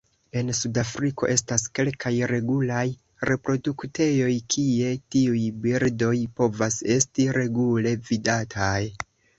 En Sudafriko estas kelkaj regulaj reproduktejoj kie tiuj birdoj povas esti regule vidataj.